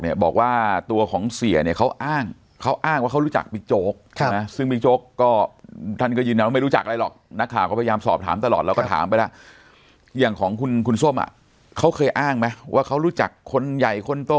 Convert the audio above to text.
อย่างของคุณคุณส้มอ่ะเขาเคยอ้างไหมว่าเขารู้จักคนใหญ่คนโต